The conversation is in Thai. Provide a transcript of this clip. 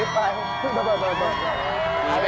ขับหนีไป